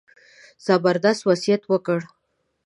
زبردست وصیت وکړ.